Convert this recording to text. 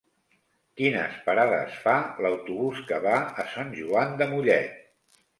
Quines parades fa l'autobús que va a Sant Joan de Mollet?